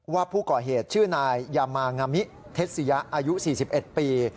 ว่าผู้ก่อเหตุชื่อนายยามางามิเทศียะอายุ๔๑ปี